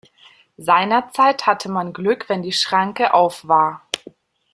Seinerzeit hatte man Glück, wenn die Schranke auf war.